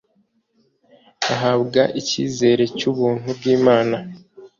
bahabwa icyizere cy'ubuntu bw'Imana